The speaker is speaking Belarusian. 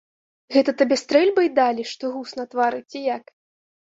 Гэта табе стрэльбай далі, што гуз на твары, ці як?